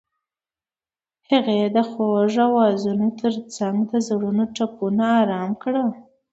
هغې د خوښ اوازونو ترڅنګ د زړونو ټپونه آرام کړل.